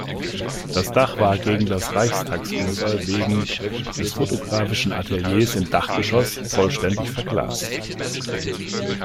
Das Dach war gegen das Reichstagufer wegen des fotografischen Ateliers im Dachgeschoss vollständig verglast.